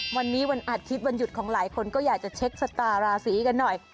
วันนี้วันอาทิตย์วันหยุดของหลายคนก็อยากจะเช็คชะตาราศีกันหน่อย